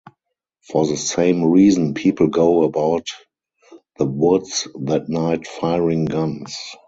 For the same reason, people go about the woods that night firing guns.